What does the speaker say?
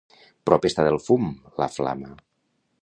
Prop està del fum, la flama.